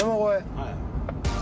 はい。